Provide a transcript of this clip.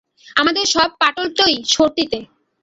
আমাদের সব পাইলটই সর্টিতে।